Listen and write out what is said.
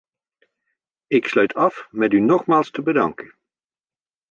Ik sluit af met u nogmaals te bedanken.